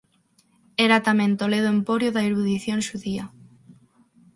Era tamén Toledo emporio de a erudición xudía.